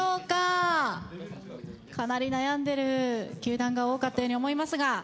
かなり悩んでる球団が多かったように思いますが。